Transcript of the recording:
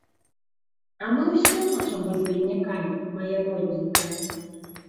А мы ўсе хочам быць беднякамі, мая родненькая.